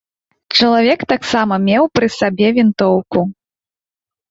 Чалавек таксама меў пры сабе вінтоўку.